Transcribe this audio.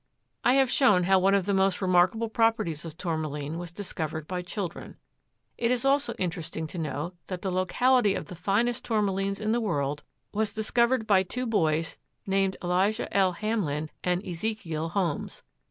I have shown how one of the most remarkable properties of Tourmaline was discovered by children. It is also interesting to know that the locality of the finest Tourmalines in the world was discovered by two boys named Elijah L. Hamlin and Ezekiel Holmes.